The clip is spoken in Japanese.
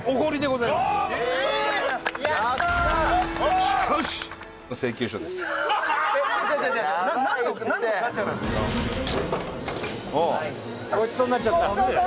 「ごちそうになっちゃったよ」